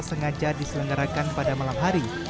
sengaja diselenggarakan pada malam hari